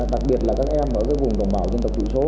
đặc biệt là các em ở vùng đồng bảo dân tộc tỷ số